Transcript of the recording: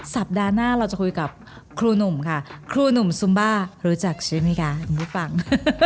สัปดาห์หน้าเราจะคุยกับครูหนุ่มค่ะครูหนุ่มซุมบ้ารู้จักใช่ไหมคะไม่ฟัง